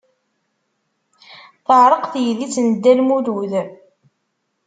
Teɛreq teydit n Dda Lmulud.